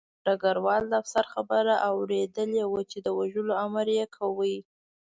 ډګروال د افسر خبره اورېدلې وه چې د وژلو امر یې کاوه